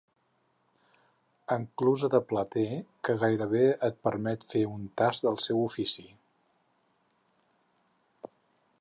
Enclusa de plater que gairebé et permet fer un tast del seu ofici.